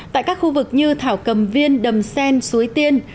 tại các khu vực như thảo cầm viên đầm sen suối tiên